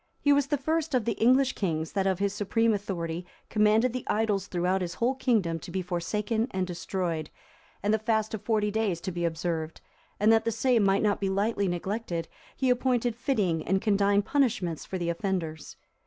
He was the first of the English kings that of his supreme authority commanded the idols throughout his whole kingdom to be forsaken and destroyed, and the fast of forty days to be observed; and that the same might not be lightly neglected, he appointed fitting and condign punishments for the offenders.